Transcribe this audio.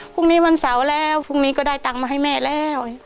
พรุ่งนี้วันเสาร์แล้วพรุ่งนี้ก็ได้ตังค์มาให้แม่แล้ว